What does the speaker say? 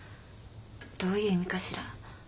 どういう意味かしら。